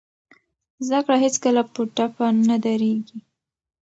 زده کړه هېڅکله په ټپه نه دریږي.